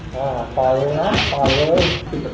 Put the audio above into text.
ตัวเลยนะตัวเลย